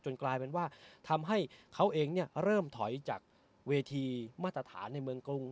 กลายเป็นว่าทำให้เขาเองเริ่มถอยจากเวทีมาตรฐานในเมืองกรุง